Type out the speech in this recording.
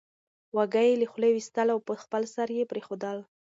واګی یې له خولې وېستل او په خپل سر یې پرېښودل